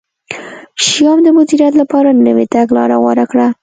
شیام د مدیریت لپاره نوې تګلاره غوره کړه.